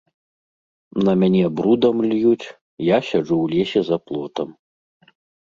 На мяне брудам льюць, я сяджу ў лесе за плотам.